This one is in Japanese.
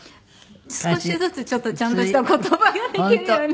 少しずつちょっとちゃんとした言葉ができるようになりました。